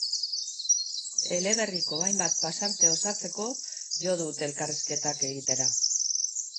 Eleberriko hainbat pasarte osatzeko jo dut elkarrizketak egitera.